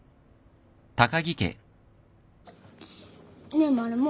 ねえマルモ。